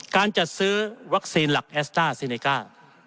การจัดซื้อวัคซีนหลักแอสต้าซีเนก้า